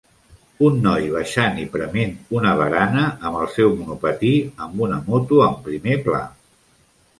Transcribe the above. Un noi baixant i prement una barana amb el seu monopatí amb una moto en primer pla